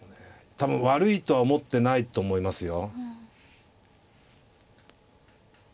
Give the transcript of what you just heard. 多分悪いとは思ってないと思いますよ。